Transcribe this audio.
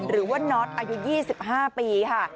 หรือว่าน็อตอายุ๒๕ปีค่ะ